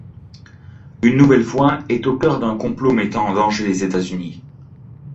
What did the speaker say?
Une nouvelle fois, est au cœur d’un complot mettant en danger les États-Unis.